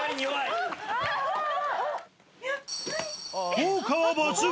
効果は抜群。